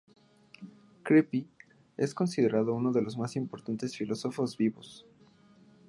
Kripke es considerado uno de los más importantes filósofos vivos.